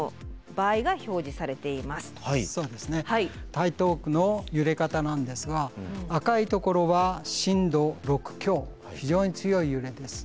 台東区の揺れ方なんですが赤いところは震度６強非常に強い揺れです。